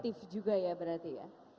aktif juga ya berarti ya